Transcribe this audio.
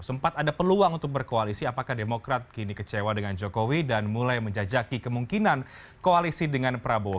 sempat ada peluang untuk berkoalisi apakah demokrat kini kecewa dengan jokowi dan mulai menjajaki kemungkinan koalisi dengan prabowo